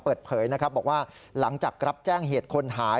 เปิดเผยนะครับบอกว่าหลังจากรับแจ้งเหตุคนหาย